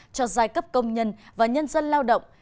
cho giai cấp công nhân và nhân dân lao động